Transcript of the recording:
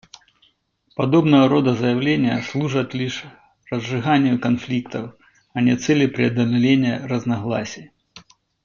Подобного рода заявления служат лишь разжиганию конфликтов, а не цели преодоления разногласий.